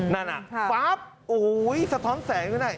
นั่นล่ะฟับสะท้อนแสงขึ้นได้